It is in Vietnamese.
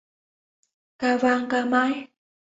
Ca vang ca mãi